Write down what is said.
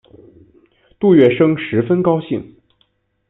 杜月笙十分高兴。